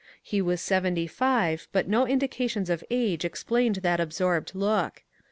He was seventy five, but no indications of age explained that absorbed look.